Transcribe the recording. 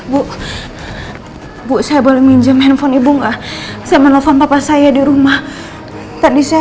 bu bu saya boleh minjem handphone ibu enggak saya menelpon bapak saya di rumah tadi saya